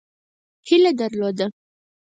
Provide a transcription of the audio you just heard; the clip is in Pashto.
هیله درلوده.